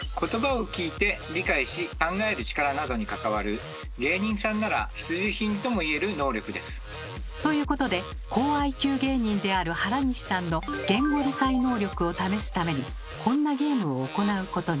そして芸人さんなら必需品ともいえる能力です。ということで高ＩＱ芸人である原西さんの言語理解能力を試すためにこんなゲームを行うことに。